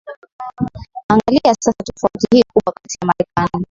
Angalia sasa tofauti hii kubwa kati ya Marekani